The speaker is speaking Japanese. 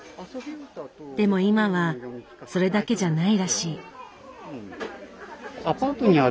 でも今はそれだけじゃないらしい。